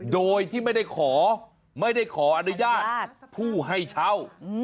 โดยที่ไม่ได้ขอไม่ได้ขออนุญาตผู้ให้เช่า